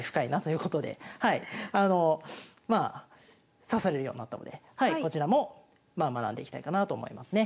まあ指されるようになったのでこちらも学んでいきたいかなと思いますね。